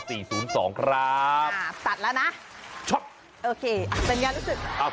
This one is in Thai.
โอเคเป็นอย่างไรรู้สึก